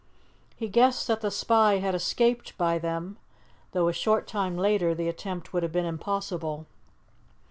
He guessed that the spy had escaped by them, though a short time later the attempt would have been impossible.